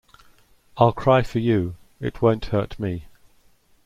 I'll cry for you; it won't hurt me.